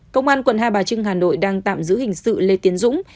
công an quận hai bà trưng hà nội đang tạm giữ hình sự lê tiến dũng